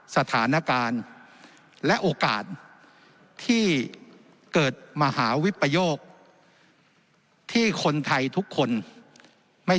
สถานการณ์และโอกาสที่เกิดมหาวิปโยคที่คนไทยทุกคนไม่